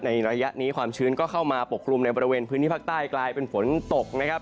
ระยะนี้ความชื้นก็เข้ามาปกคลุมในบริเวณพื้นที่ภาคใต้กลายเป็นฝนตกนะครับ